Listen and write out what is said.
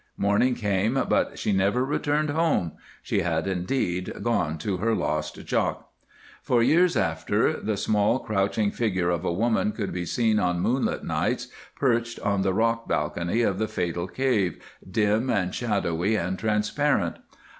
Morning came, but she never returned home. She had, indeed, gone to her lost "Jock." For years after, the small crouching figure of a woman could be seen on moonlight nights perched on the rock balcony of the fatal cave, dim, shadowy, and transparent.